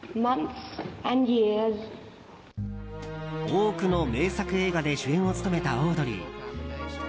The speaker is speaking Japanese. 多くの名作映画で主演を務めたオードリー。